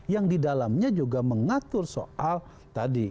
yang di dalamnya juga mengatur soal tadi